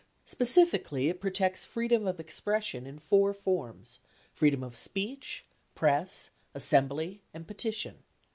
Specifi cally, it protects freedom of expression in four forms — freedom of speech, press, assembly, and petition.